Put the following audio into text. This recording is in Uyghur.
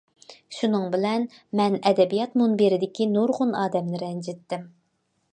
شۇنىڭ بىلەن مەن ئەدەبىيات مۇنبىرىدىكى نۇرغۇن ئادەمنى رەنجىتتىم.